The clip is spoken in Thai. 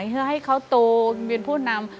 เพื่อให้เขาโตเป็นผู้นำ